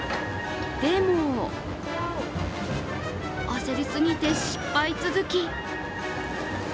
でも、焦りすぎて失敗続き。